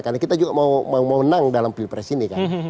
karena kita juga mau menang dalam pilpres ini